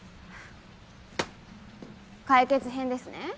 解決編ですね？